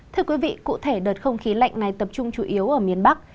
thưa quý vị cụ thể đợt không khí lạnh này tập trung chủ yếu ở miền bắc